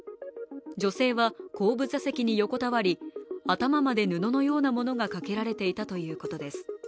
女性は後部座席に横たわり頭まで布ようなものがかけられていたということです